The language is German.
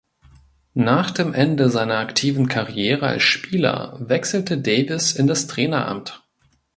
Nach dem Ende seiner aktiven Karriere als Spieler wechselte Davies in das Traineramt.